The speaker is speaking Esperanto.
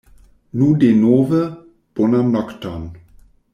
Nu denove, bonan nokton.